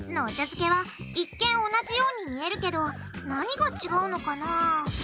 漬けは一見同じように見えるけど何が違うのかな？